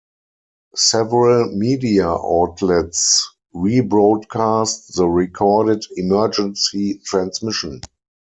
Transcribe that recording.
Several media outlets rebroadcast the recorded emergency transmission.